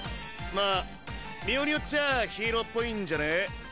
まあ見ようによっちゃあヒーローっぽいんじゃね？